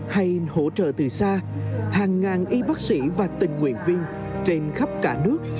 hay hỗ trợ từ xa hàng ngàn y bác sĩ và tình nguyện viên trên khắp cả nước